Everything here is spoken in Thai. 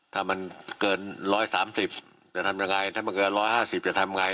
ถ้ามันเกิน๑๓๐จะทำยังไงถ้ามันเกิน๑๕๐จะทำไง